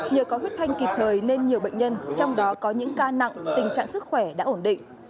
nhờ có huyết thanh kịp thời nên nhiều bệnh nhân trong đó có những ca nặng tình trạng sức khỏe đã ổn định